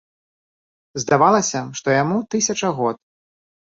Здавалася, што яму тысяча год.